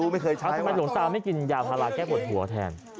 ทำไมหลวงสาวไม่กินยาภาระแก้ปวดหัวแทน